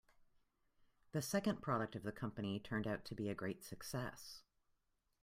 The second product of the company turned out to be a great success.